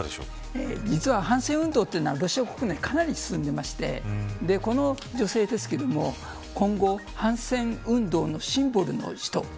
実は、反戦運動はロシア国内かなり進んでましてこの女性ですけども今後、反戦運動のシンボルの人。